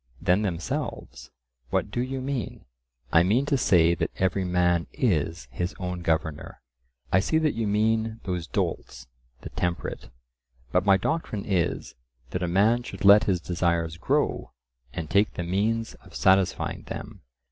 Than themselves? "What do you mean?" I mean to say that every man is his own governor. "I see that you mean those dolts, the temperate. But my doctrine is, that a man should let his desires grow, and take the means of satisfying them.